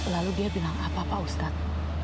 lalu dia bilang apa apa ustaz